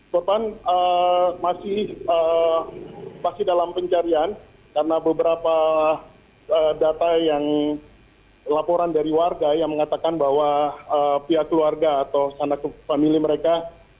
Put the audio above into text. korban masih dalam pencarian karena beberapa data yang laporan dari warga yang mengatakan bahwa pihak keluarga atau anak famili mereka